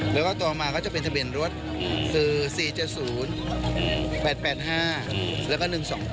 แล้วก็ต่อมาก็จะเป็นทะเบียนรถคือ๔๗๐๘๘๕แล้วก็๑๒๘